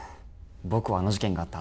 僕はあの事件があった